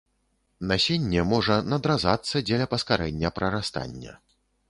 Насенне можа надразацца дзеля паскарэння прарастання.